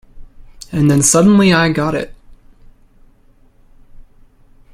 And then I suddenly got it.